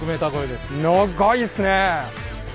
長いっすねえ！